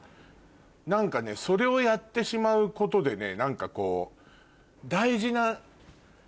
何かねそれをやってしまうことで何かこう。